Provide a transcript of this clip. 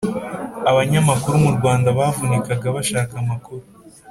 Abanyamakuru mu Rwanda bavunikaga bashaka amakuru